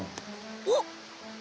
おっ！